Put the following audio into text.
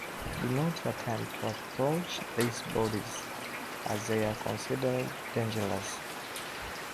Do not attempt to approach these bodies, as they are considered dangerous.